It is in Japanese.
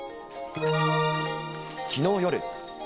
きのう夜。